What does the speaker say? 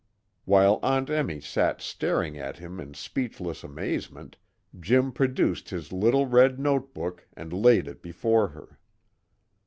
While Aunt Emmy sat staring at him in speechless amazement, Jim produced his little red note book and laid it before her.